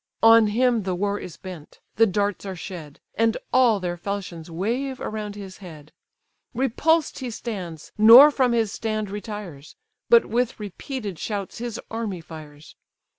On him the war is bent, the darts are shed, And all their falchions wave around his head: Repulsed he stands, nor from his stand retires; But with repeated shouts his army fires.